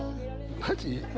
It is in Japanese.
マジ？